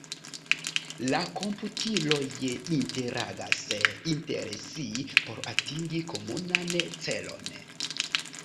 La komputiloj interagas inter si por atingi komunan celon.